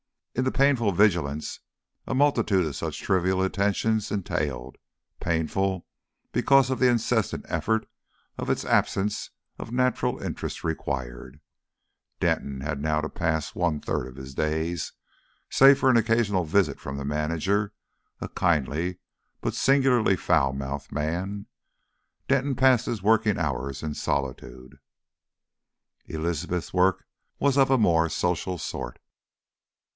In the painful vigilance a multitude of such trivial attentions entailed, painful because of the incessant effort its absence of natural interest required, Denton had now to pass one third of his days. Save for an occasional visit from the manager, a kindly but singularly foul mouthed man, Denton passed his working hours in solitude. Elizabeth's work was of a more social sort.